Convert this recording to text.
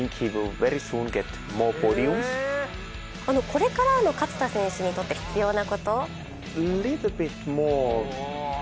これからの勝田選手にとって必要な事？